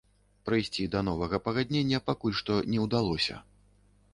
Прыйсці да новага пагаднення пакуль што не ўдалося.